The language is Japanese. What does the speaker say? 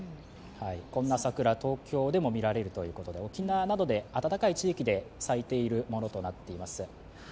こんな桜、東京でも見られるということで、沖縄などで、暖かい地域で咲いているものとなっています。